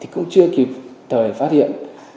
cũng chưa kịp thời phát hiện